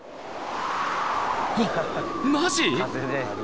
うわっマジ！？